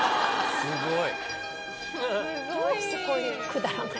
すごい。